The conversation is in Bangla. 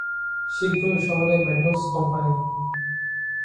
শীঘ্রই শহরে মেটজ কোম্পানি।